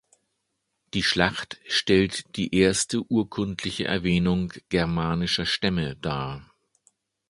Die Schlacht stellt die erste urkundliche Erwähnung germanischer Stämme dar.